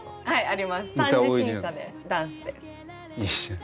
はい。